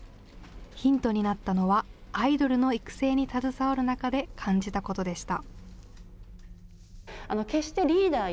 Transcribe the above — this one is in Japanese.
ヒントになったのはアイドルの育成に携わる中で感じたことでした。